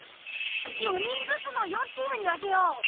４人ずつの４チームに分けよう。